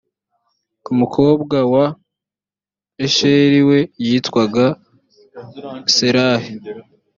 umukobwa wa asheri we yitwaga serahi.